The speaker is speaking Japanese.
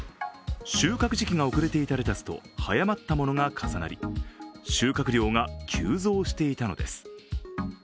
収穫時期が遅れていたレタスと早まったものが重なり、収穫量が急増していたのです。